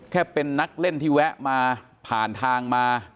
แค่เป็นนักเล่นที่แวะมาผ่านทางมา